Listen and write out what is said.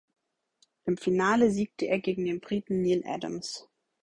Im Finale siegte er gegen den Briten Neil Adams.